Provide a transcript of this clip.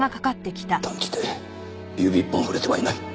断じて指一本触れてはいない。